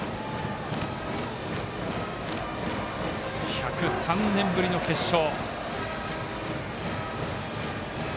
１０３年ぶりの決勝。